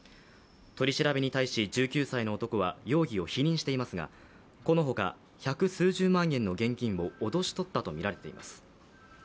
取り調べに対し１９歳の男は容疑を否認していますが、このほか百数十万円の現金を脅し取ったとみられています。